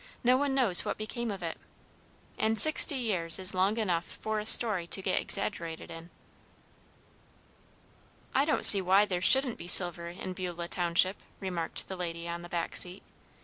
No one knows what became of it. An' sixty years is long enough for a story to get exaggerated in." "I don't see why there shouldn't be silver in Beulah township," remarked the lady on the back seat.